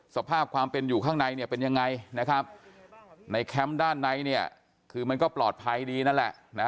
สภาพความเป็นอยู่ข้างในเนี่ยเป็นยังไงนะครับในแคมป์ด้านในเนี่ยคือมันก็ปลอดภัยดีนั่นแหละนะ